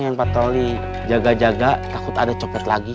jangan patroli jaga jaga takut ada copet lagi